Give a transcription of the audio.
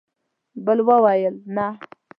بل وویل: نه!